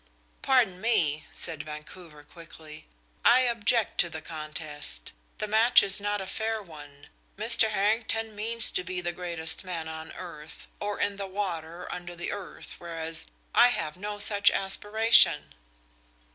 "Pardon me," said Vancouver, quickly, "I object to the contest. The match is not a fair one. Mr. Harrington means to be the greatest man on earth, or in the water under the earth, whereas I have no such aspiration."